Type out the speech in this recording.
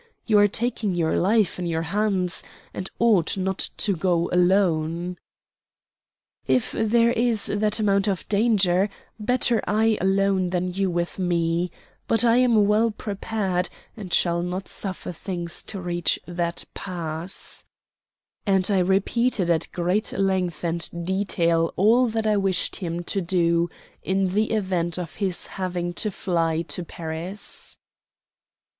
You are taking your life in your hands, and ought not to go alone." "If there is that amount of danger, better I alone than you with me; but I am well prepared, and shall not suffer things to reach that pass" and I repeated at great length and detail all that I wished him to do in the event of his having to fly to Paris.